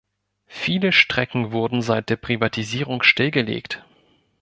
Viele Strecken wurden seit der Privatisierung stillgelegt.